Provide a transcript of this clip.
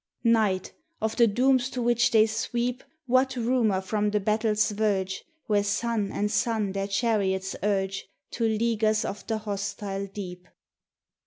Night! of the dooms to which they sweep What rumor from the. battle's verge, Where sun and sun their chariots urge To leaguers of the hostile Deep?